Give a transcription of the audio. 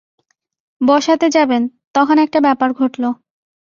বসাতে যাবেন, তখন একটা ব্যাপার ঘটল।